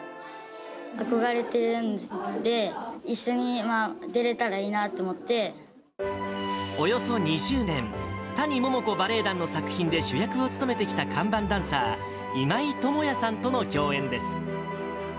憧れているので、一緒に出れおよそ２０年、谷桃子バレエ団の作品で主役を務めてきた看板ダンサー、今井智也さんとの共演です。